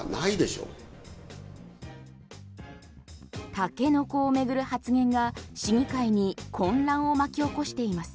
タケノコを巡る発言が市議会に混乱を巻き起こしています。